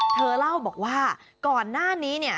เธอเล่าบอกว่าก่อนหน้านี้เนี่ย